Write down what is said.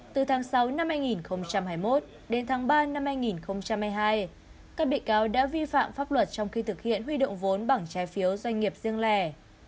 từ tháng sáu năm hai nghìn hai mươi một đến tháng ba năm hai nghìn hai mươi hai các bị cáo đã vi phạm pháp luật trong khi thực hiện huy động vốn bằng trái phiếu doanh nghiệp riêng lẻ